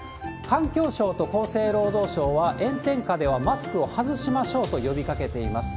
環境省と厚生労働省は、炎天下ではマスクを外しましょうと呼びかけています。